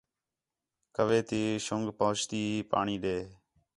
کوّے تی شنگ پہنچتی ہِے پاݨی ݙے